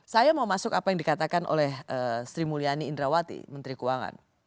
saya mau masuk apa yang dikatakan oleh sri mulyani indrawati menteri keuangan